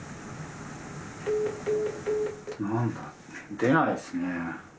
出ないですね。